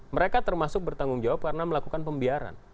mereka termasuk bertanggung jawab karena melakukan pembiaran